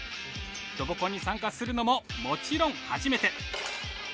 ロボコンに参加するのももちろん初めて。